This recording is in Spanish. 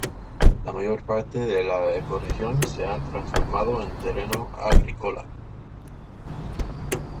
La mayor parte de la ecorregión se ha transformado en terreno agrícola.